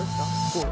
そう。